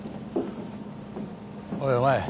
おいお前。